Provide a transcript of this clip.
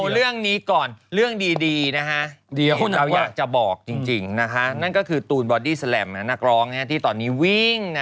เรื่องนี้นุ่มจะไม่ยุ่ง